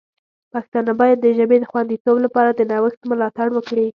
پښتانه باید د ژبې د خوندیتوب لپاره د نوښت ملاتړ وکړي.